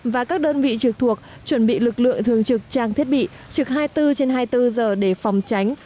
và các đơn vị trực thuộc chuẩn bị lực lượng thường trực trang thiết bị trực hai mươi bốn trên hai mươi bốn giờ để phòng tránh